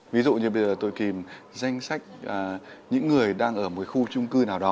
ví dụ như bây giờ tôi kìm danh sách những người đang ở một khu trung cư nào đó